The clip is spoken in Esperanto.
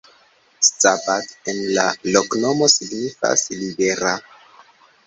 Szabad en la loknomo signifas: libera.